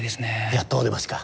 やっとお出ましか。